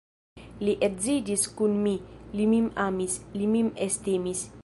Li edziĝis kun mi, li min amis, li min estimis.